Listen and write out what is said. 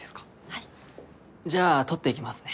はいじゃあ撮っていきますね